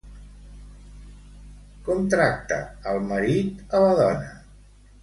Com tracta el marit a la dona?